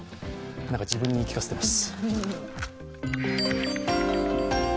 何か自分に言い聞かせてます。